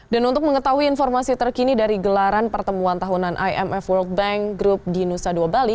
dan untuk mengetahui informasi terkini dari gelaran pertemuan tahunan imf world bank group di nusa dua bali